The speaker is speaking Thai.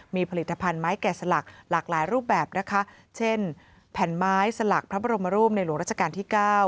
มีผลิตภัณฑ์ไม้แก่สลักหลากหลายรูปแบบนะคะเช่นแผ่นไม้สลักพระบรมรูปในหลวงราชการที่๙